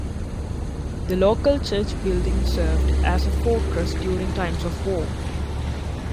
The local church building served as a fortress during times of war.